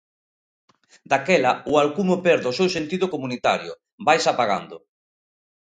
Daquela, o alcume perde o seu sentido comunitario, vaise apagando.